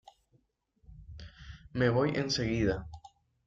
Me voy enseguida.